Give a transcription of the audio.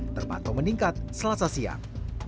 termatau meningkat selasa siang